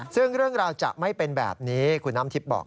ซึ่งเรื่องราวจะไม่เป็นแบบนี้คุณน้ำทิพย์บอก